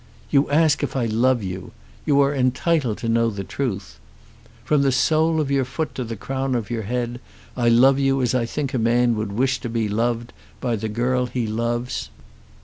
"You ask if I love you. You are entitled to know the truth. From the sole of your foot to the crown of your head I love you as I think a man would wish to be loved by the girl he loves.